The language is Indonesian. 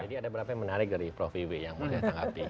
jadi ada beberapa yang menarik dari prof iwi yang mau saya tanggapi